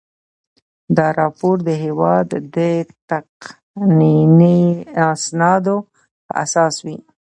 دا راپور د هیواد د تقنیني اسنادو په اساس وي.